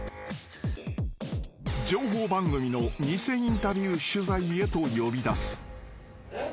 ［情報番組の偽インタビュー取材へと呼び出す］